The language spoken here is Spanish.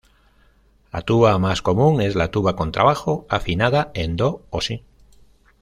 La tuba más común es la tuba contrabajo, afinada en do o si.